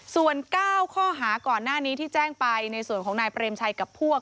ส่วน๙ข้อหาก่อนหน้านี้ที่แจ้งไปในส่วนของนายเปรมชัยกับพวก